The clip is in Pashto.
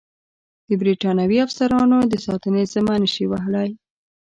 د برټانوي افسرانو د ساتنې ذمه نه شي وهلای.